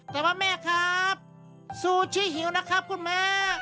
แต่ว่าแม่ครับซูชิหิวนะครับคุณแม่